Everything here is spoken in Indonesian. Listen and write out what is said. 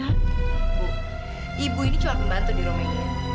bu ibu ini cuma membantu di rumah